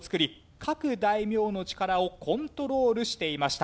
各大名の力をコントロールしていました。